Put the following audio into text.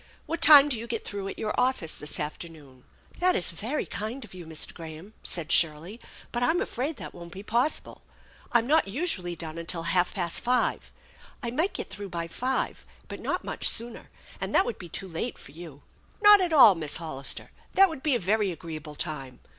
What time do you get through at your office this afternoon?" " That is very kind of you, Mr. Graham," said Shirley, " but I'm afraid that won't be possible. I'm not usually done until half past five. I might get through by five, but not much sooner, and that would be too late for you." " Not at all, Miss Hollister. That would be a very agree able time.